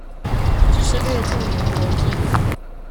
只是略盡棉薄之力